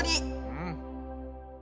うん。